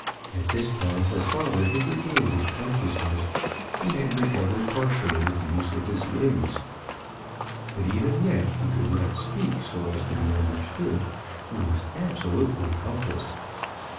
At this time her father had regained his consciousness, and had recovered partially the use of his limbs. But even yet he could not speak so as to be understood, and was absolutely helpless.